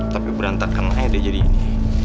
tapi berantakan aja dia jadi ini